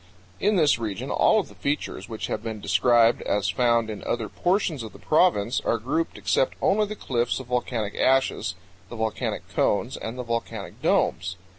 In this region all of the features which have been described as found in other portions of the province are grouped except only the cliffs of volcanic ashes, the volcanic cones, and the volcanic domes.